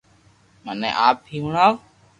مني آپ ھي ھڻاو